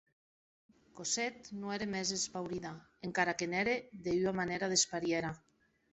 Cosette non ère mens espaurida, encara que n’ère de ua manèra desparièra.